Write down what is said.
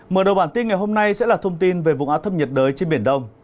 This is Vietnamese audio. mở đầu bản tin ngày hôm nay sẽ là thông tin về vùng áp thấp nhiệt đới trên biển đông